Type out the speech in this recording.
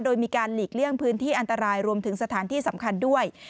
โดยมีการหลีกเลี่ยงพื้นที่อันตรายรวมถึงสถานที่สำคัญด้วย